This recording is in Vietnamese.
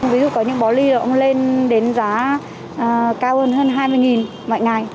ví dụ có những bó ly nó cũng lên đến giá cao hơn hơn hai mươi mỗi ngày